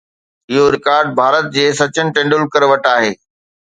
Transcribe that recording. اهو رڪارڊ ڀارت جي سچن ٽنڊولڪر وٽ آهي